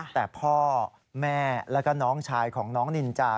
แต่พ่อแม่แล้วก็น้องชายของน้องนินจา